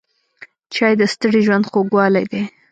چای د ستړي ژوند خوږوالی دی.